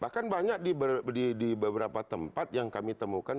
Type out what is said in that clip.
bahkan banyak di beberapa tempat yang kami temukan